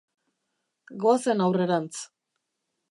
Goazen aurrerantz.